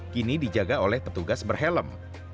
kini dijaga oleh petugas berhelm